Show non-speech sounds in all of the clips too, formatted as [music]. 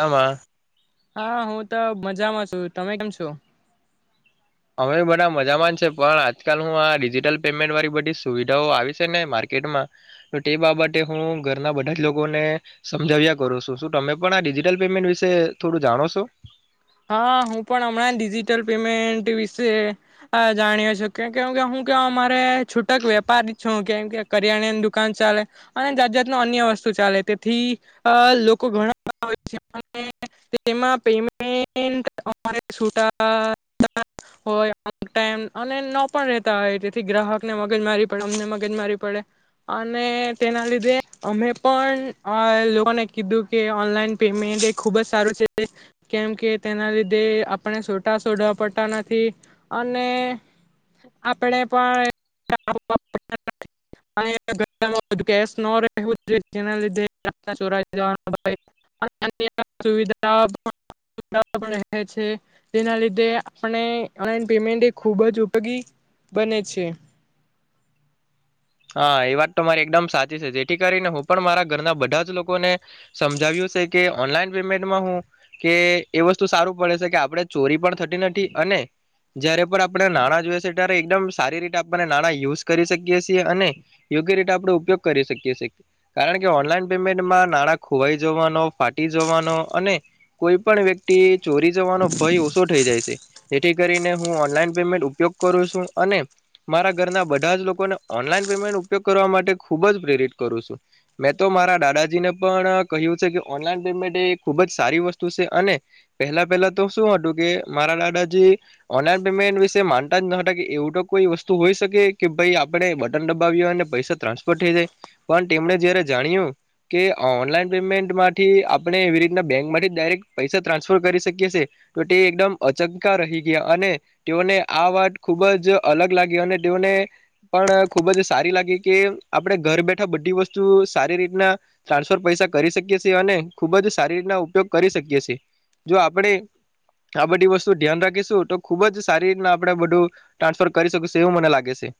આમાં. હા હું તો. મજામાં છું તમે કેમ છો. અવે બધા મજામાં છે પણ આજકાલ હું આ ડિજિટલ પેમેન્ટ વાળી બધી સુવિધાઓ આવી છે ને માર્કેટમાં તો તે બાબતે હું ઘરના બધા જ લોકોને સમજાવ્યા કરું છું શું તમે પણ આ ડિજિટલ પેમેન્ટ વિશે થોડું જાણો છો. હા હું પણ હમણાં ડિજિટલ પેમેન્ટ વિશે જાણી્યો છ કે કે કે હું કે અમારે છૂટક વેપારી છું કેમ કે કરિયાણાની દુકાન ચાલે અને જાત જાતનું અન્ય વસ્તુ ચાલે તેથી લોકો ઘણા બ હોય છે. ટ અને ન પણ રેતા હોય તેથી ગ્રાહક ને મગજ મારી પડે અમને મગજ મારી પડે અને તેના લીધે અમે પણ આ લોકોને કીધું કે ઓનલાઈન પેમેન્ટ એ ખુબ જ સારું છે. કેમ કે તેના લીધે આપણે સોટા સોઢવા પડતા નથી અને આપણે પણઈ લિધા. છે તેના લીધે આપણે ઓનલાઈન પેમેન્ટ એ ખૂબ જ ઉપયોગી બને છે. હા એ વાત તો મારી એકદમ સાચી છે જેથી કરીને હું પણ મારા ઘરના બધા જ લોકોને સમજાવ્યું છે કે ઓનલાઈન પેમેન્ટમાં હું કે એ વસ્તુ સારું પડે છે કે આપણે ચોરી પણ થતી નથી અને જય્યારે પણ આપણે નાણાં જોઈએ છે ત્યારે એકદમ સારી રીતે આપને નાણાં યુઝ કરી શકીએીએ. અને યોગ્ય રીતે આપણે ઉપયોગ કરી શકીએી કારણ કે ઓનલાઈન પેમેન્ટમાં નાણાં ખોવાઈ જવાનો ફાટી જવાનો અને કોઈ પણ વ્યક્તિ. ચોરી જવાનો ભય ઓછો થઇ જાય છે. જેથી કરીને હું ઓનલાઈન પેમેન્ટ ઉપયોગ કરું છું અને, મારા ઘરના બધા જ લોકોને ઓનલાઈન પેમેન્ટ ઉપયોગ કરવા માટે ખુબ જ પ્રેરિત કરું છું, મેં તો મારા દાદાજી ને પણ કહ્યું છે કે ઓનલાઈન પેમેન્ટ એ ખુબ જ સારી વસ્તુ છે અને, પહેલા પહેલા તો શું હતું કે મારા દાદાજી, ઓનલાઈન પેમેન્ટ વિશે માનતા જ ન હતા કે એવું તો કોઈ વસ્તુ હોઈ શકે કે ભાઈ આપણે બટન દબાવએ અને પૈસા ટ્રાન્સફર થઈ જાય, પણ તેમણે જયારે જાણ્યું કે ઓનલાઈન પેમેન્ટમાંથી આપણે એવી રીતના બેંકમાંથી ડાયરેક્ટ પૈસા ટ્રાન્સફર કરી શકીએ છે, તો તે એકદમ અચક્કા રહી ગયા અને તેઓને આ વાત ખુબ જ અલગ લાગી, અને તેઓને પણ ખુબ જ સારી લાગી કે આપણેે ઘર બેઠા બધી વસ્તુ સારી રીતના, ટ્રાન્સફર પૈસા કરી શકીએ છીએ અને ખુબ જ સારી રીતના ઉપયોગ કરી શકીએ છીએ, જો આપણેે આ બધી વસ્તુ ધ્યાન રાખીશું તો ખુબ જ સારી રીતના આપણે બધું, ટ્રાન્સફર કરી શકીશું એવું મને લાગે છે.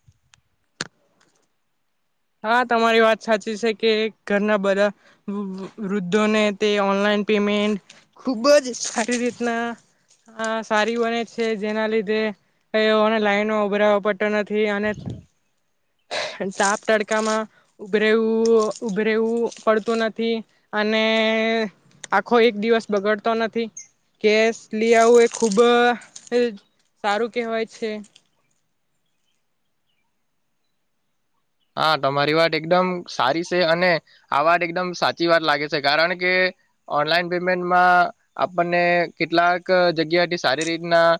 હા તમારી વાત સાચી છે કે ઘરના બધા, વૃદ્ધોને તે ઓનલાઈન પેમેન્ટ ખુબ જ સારી રીતના સારી બને છે જેના લીધેને, લાઈનમાં ઉભરાવા પડ નથી અને ટાપતાડ માં ઉભરેું ઉભરેવું પડતું નથી, અને આખો એક દિવસ બગડતો નથી, કેસ લ આવું એ ખૂબ સારું કેહેવાય છે. હા તમારી વાત એકદમ સારી છે અને, આ વાત એકદમ સાચી વાત લાગે છે કારણ કે ઓનલાઈન પેમેન્ટમાં આપણને કેટલાક જગ્યા થી સારી રીતના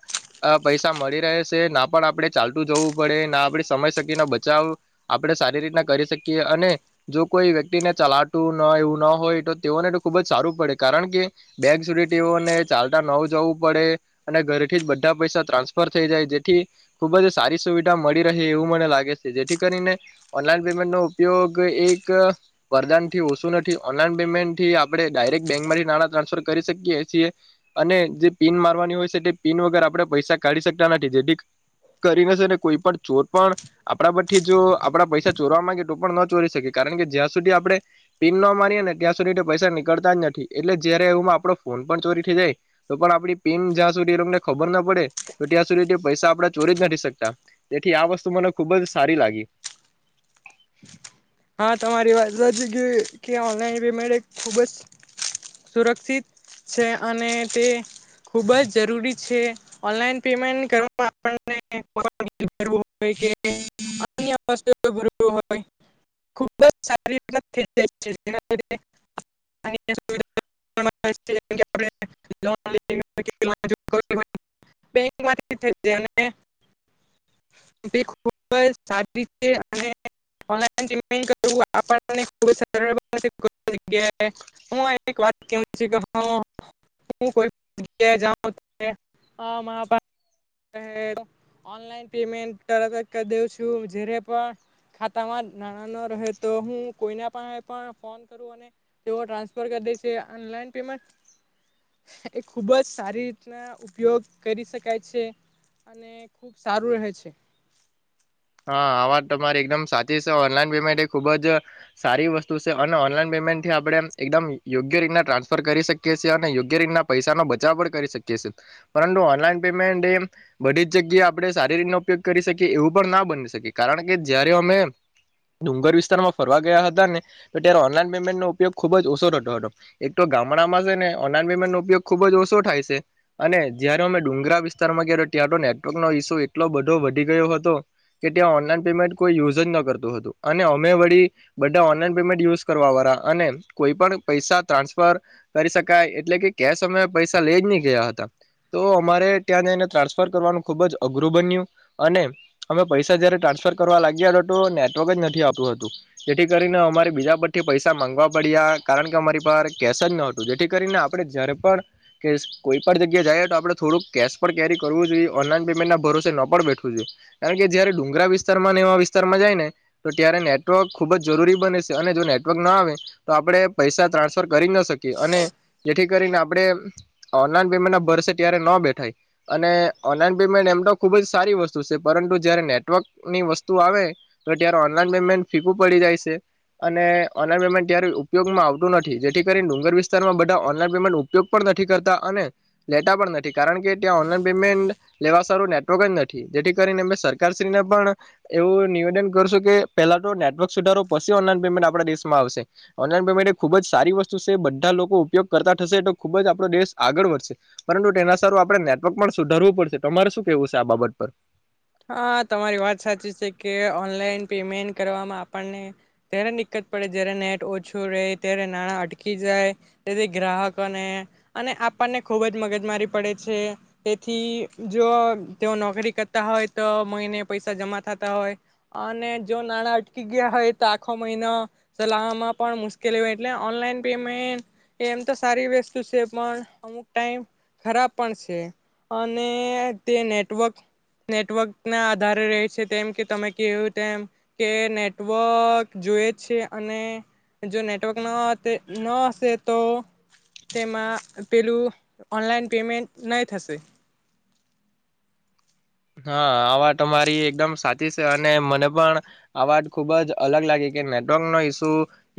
પૈસા મળી રહે છે, ના પણ આપણે ચાલતું જવું પડે ના આપણે સમય સકીનો બચાવ આપણે સારી રીતના કરી શકીએ અને, જો કોઈ વ્યક્તિને ચલાતું ન એવું ના હોય તો તેઓને તો ખૂબ જ સારું પડે કારણ કે, બેગ સુધી તેઓને ચાલતા ન જવું પડે, અને ઘરથી જ બધા પૈસા ટ્રાન્સફર થઈ જાય જેથી, ખૂબ જ સારી સુવિધા મળી રહે એવું મને લાગે છે જેથી કરીને ઓનલાઈન પેમેન્ટ નો ઉપયોગ એક વરદાન થી ઓછું નથી ઓનલાઈન પેમેન્ટ થી આપણે ડાયરેક્ટ બેંકમાંથી નાણાં ટ્રાન્સફર કરી શકીએ છીએ, અને જે પીન મારવાની હોય છે તે પીન વગર આપણે પૈસા કાઢી શકતા નથી જેથી કરી ના કોઈ પણ ચોર પણ, આપણા પરથી જો આપડા પૈસા ચોરવા માંગે તો પણ ન ચોરી શકીએ કારણ કે જ્યાં સુધી આપડણે, પીન ન મારીએ ને ત્યાં સુધી પૈસા નીકળતા જ નથી, એટલે જયારે એવ આપો ફોન પણ ચોરી થઈ જાય, તો પણ આપડી પીન જ્યાં સુધી એમને ખબર ના પડે તો ત્યાં સુધી પૈસા આપણે ચોરી જ નથી શકતા, તેથી આ વસ્તુ મને ખુબ જ સારી લાગી. હા તમારી વાત ગ કે ઓનલાઈન પેમેન્ટ ખુબ જ સુરક્ષિત છે અને તે, [unintelligible] ખુબ જ જરૂરી છે ઓનલાઈન પેમેન્ટ કરવામાં આપુ હો સારી ય ખારી [unintelligible] હું વાતું્યાએ તર કરી દઉ છું જ્યારે પણ ખાતામાં [unintelligible] નાના ન રહે તો હું કોઈના પા પણ ફોન કરું અને, તેઓ ટ્રાન્સફર કરી દે છે ઓનલાઈન પેમેન્ટ એ ખૂબ જ સારી રીતના ઉપયોગ કરી શકાય છે, અને ખૂબ સારું રહે છે. હા આ વાત તમારી એકદમ સાચી છે ઓનલાઈન પેમેન્ટ એ ખુબ જ, સારી વસ્તુ છે અને ઓનલાઈન પેમેન્ટ થી આપણે એકદમ યોગ્ય રીતના ટ્રાન્સફર કરી શકીએ છીએ અને યોગ્ય રીતના પૈસાનો બચાવ પણ કરી શકીએ છીએ, પરંતુ ઓનલાઈન પેમેન્ટ એ બધી જ જગ્યાએ આપણે સારી રીતનો ઉપયોગ કરી શકીએ એવું પણ ના બ કારણ કે જયારે અમે ડુંગર વિસ્તારમાં ફરવા ગયા હતા ને તો, ત્યારે ઓનલાઈન પેમેન્ટ નો ઉપયોગ ખુબ જ ઓછો થતો હતો, એક તો ગામડામાં છે ને ઓનલાન પેમેન્ટ નો ઉપયોગ ખુબ જ ઓછો થાય છે, અને જયારે અમે ડુંગરા વિસ્તારમાં ગ તં તો નેટવર્ક નો ઈસુ એટલો બધો વધી ગયો હતો. કે ત્યાં ઓનલાઈન પેમેન્ટ કોઈ યુઝ જ ન કરતું હતું, અને અમે વળી બધા ઓનલાઈન પેમેન્ટ યુઝ કરવા વાળા અને કોઈ પણ પૈસા ટ્રાન્સફર, કરી શકાય એટલે કે કેશ અમે પૈસા લઈ જ નહી ગયા હતા, તો અમારે ત્યાં જને ટ્રાન્સફર કરવાનું ખૂબ જ અઘરું બન્યું, અને અમે પૈસા જ્યારે ટ્રાન્સફર કરવા લાગ્યા હતા તો નેટવર્ક જ નથી આપતું હતું જેથી કરીને અમારે બીજા પરથીી પૈસા મામાંગવા પડ્યા કારણ કે અમારી પાસે કેશ જ ન હતું જેથી કરીને આપણે જ્યારે પણ કે કોઈ પણણ જગ્યા જઈએ તો આપણે થોડુંક કેશ પણ કેરી કરવું જોઈએ ઓનલાઈન પેમેન્ટના ભરોસે ન પણ બેઠવું જોઈએ કારણ કે કે જયારે ડુંગરા વિસ્તારમાં ને એવા વિસ્તારમાં જાય ને, તો ત્યારે નેટવર્ક ખુબ જ જરૂરી બને છે અને જો નેટવર્ક ના આવે, તો આપણે પૈસા ટ્રાન્સફર કરી ના શકીએ અને જેથી કરીને આપણે ઓનલાઈન પેમેન્ટ ના ભરસે ત્યારે ન બેઠાય, અને ઓનલાઈન પેમેન્ટ એમ તો ખુબ જ સારી વસ્તુ છે પરંતુ જયારે નેટવર્ક ની વસ્તુ આવે તો ત્યારે ઓનલાઈન પેમેન્ટ ફીકું પડી જાય છે, અને ઓનલાઈન પેમેન્ટ ત્યારે ઉપયોગમાં આવતું નથી જેથી કરીને ડુંગર વિસ્તારમાં બધા ઓનલાઈન પેમેન્ટ ઉપયોગ પણ નથી કરતા અને, લેતા પણ નથી કારણ કે ત્યાં ઓનલાઈન પેમેન્ટ લેવા સારું નેટવર્ક જ નથી, જેથી કરીને સરકારશ્રીને પણ, એવું નિવેદન કરશું કે પેલા તો નેટવર્ક સુધારો પછી ઓનલાઈન પેમેન્ટ આપણા દેશમાં આવશે, ઓનલાઈન પેમેન્ટ એ ખુબ જ સારી વસ્તુ છે બધા લોકો ઉપયોગ કરતા થશે તો ખુબ જ આપડો દેશ આગળ વધશે, પરંતુ તેના સારું આપણે નેટવર્ક પણ સુધારવું પડશે તમારે શું કેવું છે આ બાબત પર? હા તમારી વાત સાચી છે કે ઓનલાઈન પેમેન્ટ કરવામાં આપણને જ્યારે દિક્કત પડે જ્યારે નેટ ઓછું રહે ત્યારે નાણાં અટકી જાય, તેથી ગ્રાહકોને અને આપણને ખૂબ જ મગજ મારી પડે છે, તેથી જો તેઓ નોકરી કરતા હોય મહિને પૈસા જમા થતા હોય, અને જો નાણાં અટકી ગયા હોય તો આખો મહિનો ચલાવવામાં પણ મુશ્કેલી હોય, એટલે ઓનલાઈન પેમેન્ટ એ એમ તો સારી વસ્તુ છે, પણ અમુક ટાઈમ ખરાબ પણ છે અને તે નેટવર્ક નેટ નેટવર્કના આધારે રહે છે તેમમ કે તમે કહું તેમ, કે નેટવર્ક જોએ છે, અને જો નેટવર્ક ન ન હશે તો તેમાં પેલું ઓનલાઈન પેમેન્ટ નહી થશે. હા આ વાત અમારી એકદમ સાચી છે અને મને પણ, આ વાત ખુબ જ અલગ લાગી કે નેટવર્ક નો ઇસુ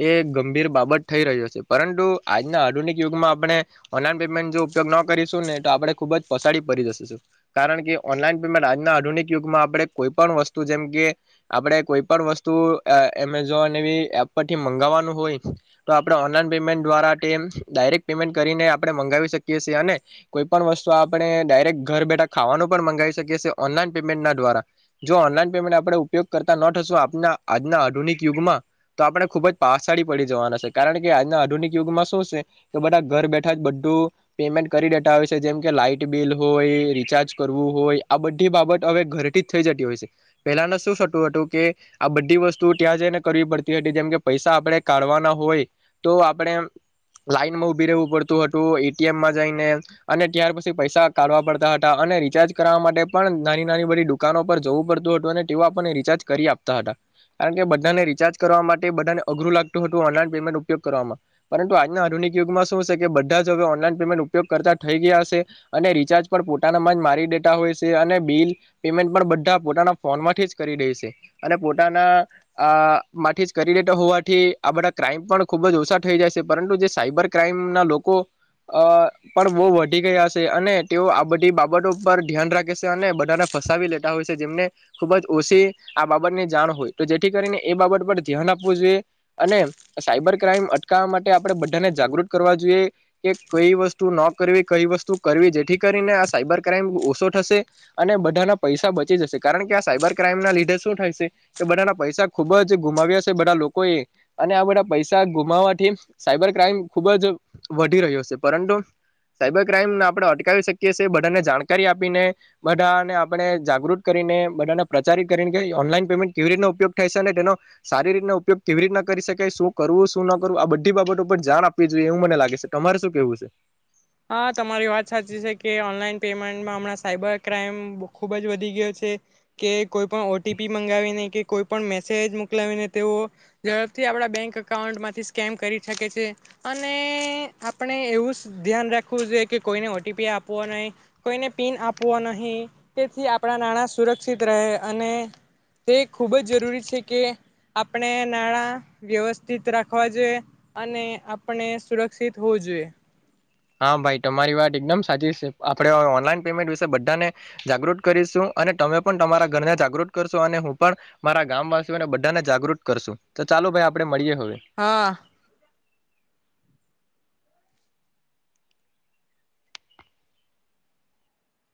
એ ગંભીર બાબત થઈ રહ્યો છે, પરંતુ આજના આધુનિક યુગમાં આપણે, ઓનલાઈન પેમેન્ટ જો ઉપયોગ ન કરીશું ને તો આપડણે ખુબ જ પસાડી પડી જશું, કારણ કે ઓનલાઈન આજના આધુનિક યુગમાં આપણે કોઈ પણણ વસ્તુ જેમકે, આપણે કોઈ પણ વસ્તુ એમેઝોન એવી એપ પરથી મગાવવાનું હોય, તો આપડણે ઓનલાઈન પેમેન્ટ દ્વારા તે ડાયરેક્ટ પેમેન્ટ કરીને આપણે મંગાવી શકીએ છીએ અને, કોઈ પણ વસ્તુ આપણે ડાયરેક્ટ ઘર બેઠા ખાવાનું પણ મંગાવીકી ના દ્વારા જો ઓનલાઈન પેમેન્ટ આપણે ઉપયોગ કરતા ન થશ આપ આજના આધુનિક યુગમાં તો આપણે ખુબ જ પાછળ પડી જવાના છે કારણ કે આજના આધુનિક યુગમાં શું છે કે બધા ઘર બેઠા જ બધું પેમેન્ટ કરી દેતા હો છે જેમ કે લાઈટ બિલ હોય રિચાર્જ કરવું હોય. આ બધી બાબત હવે ઘરેથી જ થઈ જતી હોય છે, પેહેલાને શું થતું હતું કે, આ બધી વસ્તુ ત્યાં જઈને કરવી પડતી હતી જેમકે પૈસા આપણે કાઢવાના હોય, તો આપણે લાઈનમાં ઉભી રહેવું પડતું હતું એટીએમમાં જઈને અને ત્યાર પછી પૈસા કાઢવા પડતા હતા અને રિચાર્જ કરવા માટે નાની નાની બધી દુકાનો પર જવું પડતું હતું અને તેઓ આપણને રિચાર્જ કરી આપતા હતા, કારણ કે બધાને રિચાર્જ કરવા માટે બધાને અઘરું લાગતું હતું ઓનલાન પેમેન્ટ ઉપયોગ કરવામાં, પરંતુ આજના આધુનિક યુગમાં શું હશે કે બધા જ હવે ઓનલાઈન પેમેન્ટ ઉપયોગ કરતા થઈ ગયા હશે, અને રિચાર્જ પણ પોતાના જ મારી ડેટા હોય. અને બિલ પેમેન્ટ પણ બધા પોતાના ફોન માંથી જ કરી દે છે, અને પોતાના આ માંથી જ કરી દેતા હોવાથી આ બધા ક્રાઈમ પણ ખુબ જ ઓછા થઈ જાય છે પરંતુ જે સાઈબર ક્રાઈમના લોકો, પણ બહુ વધી ગયા છે અને તેઓ આ બધી બાબતો પર ધ્યાન રાખી બધાને ફસાવી લેતા હોય છે જેમને ખુબ જ ઓછી આ બાબતની જાણ હોય તો જેથી કરીને એ બાબત પર ધ્યાન આપવું જોઈએ અને સાયબર ક્રાઈમ અટકાવવા માટે આપણે બધાને જાગૃત કરવા જોઈએ કે કઈ વસ્તુ ન કરવી કઈ વસ્તુ કરવી જેથી કરીને આ સાયબર ક્રાઈમ ઓછો થશે. અને બધાના પૈસા બચી જશે કારણ કે આ સાયબર ક્રાઈમ ના લીધે શું થાય છે કે, બધાના પૈસા ખુબ જ ગુમાવ્યા છે બધા લોકો એ અને આ બધા પૈસા ગુમાવવાથી સાયબર ક્રાઈમ ખુબ જ વધી રહ્યો છે, પરંતુ સાયબર ક્રાઈમને આપણે અટકાવી શકીએીએ બધાને જાણકારી આપીને. બધાને આપણે જાગૃત કરીને બધાને પ્રચારિત કરીને કે ઓનલાઈન પેમેન્ટ કેવી રીતના ઉપયોગ થાય છે અને તેનો, સારી રીત ઉપયોગ કેવી રીતના કરી શકાય શું કરવું શું ના કરવું આ બધી બાબતો ઉપ જાણ આપવી જોઈએ એવું મને લાગે છે તમારે શું કેવું છે? હા તમારી વાત સાચી છે કે ઓનલાઈન પેમેન્ટમાં હમણાં સાયબર ક્રાઈમ ખુબ જ વધી ગયો છે, કે કોઈ પણ ઓ ટી પી મંગાવીને કે કોઈ પણ મેસેજ મોકલાવીને તેઓ, ઝડપથી આપણા બેંક અકાઉન્ટમાંથી સ્કેમ કરી શકે છે, અને આપણે એવું ધ્યાન રાખવું જોઈએ કે કોઈને ઓ ટી પી આપવો નહીં કોઈને પિન આપવો નહીં, તેથી આપણાં નાણાં સુરક્ષિત રહે, અને તે ખૂબ જ જરૂરી છે કે આપણે નાણાં વ્યવસ્થિત રાખવા જોઈએ, અને આપણે સુરક્ષિત હોવું જોઈએ. હા ભાઈ તમારી વાત એકદમ સાચી છે આપડે ઓનલાઈન પેમેન્ટ વિશે બધાને, જાગૃત કરીશું અને તમે પણ તમારા ઘરને જાગૃત કરશો અને હું પણ, મારા ગામવાસીઓને બધાને જાગૃત કરશું, તો ચાલો ભાઈ આપડે મળીએ. હવે હા.